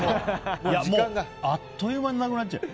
あっという間になくなっちゃう。